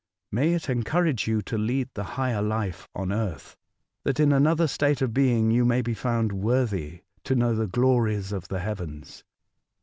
May it encourage you to lead the higher life on earth, that in another state of being you may be found worth V to know the s^lories of the heavens.